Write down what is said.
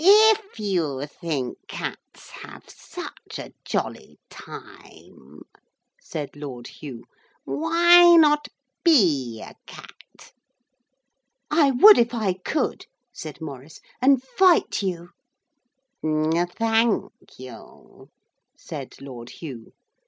'If you think cats have such a jolly time,' said Lord Hugh, 'why not be a cat?' 'I would if I could,' said Maurice, 'and fight you ' 'Thank you,' said Lord Hugh.